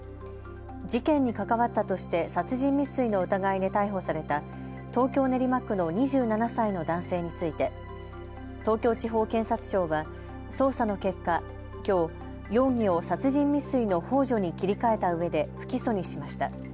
事件に関わったとして殺人未遂の疑いで逮捕された東京練馬区の２７歳の男性について東京地方検察庁は捜査の結果、きょう容疑を殺人未遂のほう助に切り替えたうえで不起訴にしました。